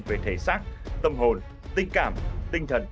về thể xác tâm hồn tinh cảm tinh thần